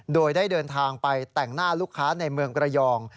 โดยได้เดินทางไปแต่งหน้าลูกค้าในเมืองระยอง